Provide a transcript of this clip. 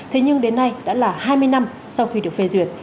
thế nhưng đến nay đã là hai mươi năm sau khi được phê duyệt